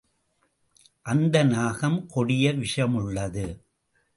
அந்த நாகம் கொடிய விஷமுள்ளது.